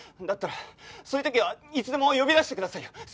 だったらそういう時はいつでも呼び出してくださいよ。